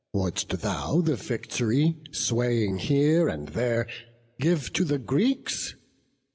Wouldst thou the vict'ry, swaying here and there, Give to the Greeks?